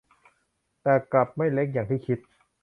แต่กลับไม่เล็กอย่างที่คิด